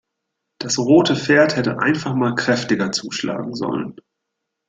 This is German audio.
Das rote Pferd hätte einfach mal kräftiger zuschlagen sollen.